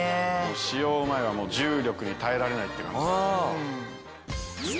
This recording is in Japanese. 使用前は重力に耐えられないって感じ。